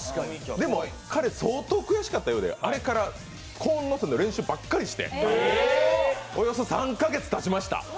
でも彼相当悔しかったようであれからコーンのせの練習ばっかりしておよそ３か月たちました。